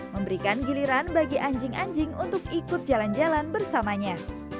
memberikan giliran bagi anjing anjing untuk ikut jalan jalan bersamanya